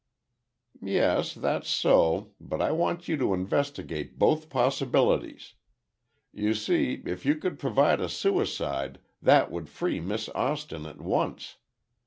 "Yes, that's so, but I want you to investigate both possibilities. You see, if you could prove a suicide, that would free Miss Austin at once.